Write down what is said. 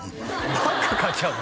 バッグ買っちゃうの？